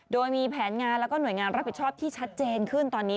โดยมีแผนงานแล้วก็หน่วยงานรับผิดชอบที่ชัดเจนขึ้นตอนนี้